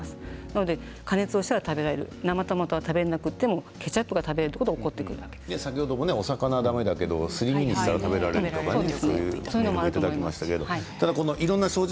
加熱をしたら食べられる生トマトは食べられなくてもケチャップは食べられるという先ほど魚はだめだけどすり身は大丈夫という方がいらっしゃいましたね。